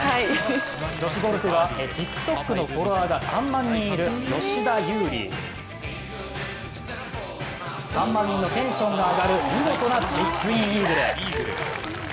女子ゴルフはＴｉｋＴｏｋのフォロワーが３万人いる吉田優利３万人のテンションが上がる見事なチップインイーグル。